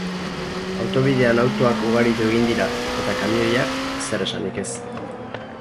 Autobidean autoak ugaritu egin dira, eta kamioiak... zer esanik ez!